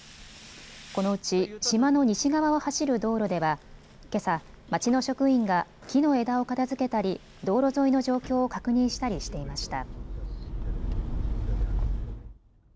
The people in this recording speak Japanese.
このうち島の西側を走る道路ではけさ、町の職員が木の枝を片づけたり道路沿いの状況を確認したりしていました。